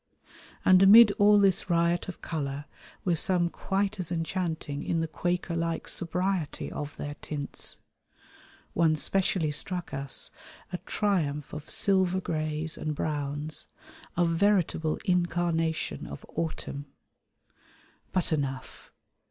And amid all this riot of colour were some quite as enchanting in the Quaker like sobriety of their tints. One specially struck us: a triumph of silver greys and browns, a veritable incarnation of Autumn. But enough!